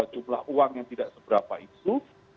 jumlah uang yang tidak seberapa itu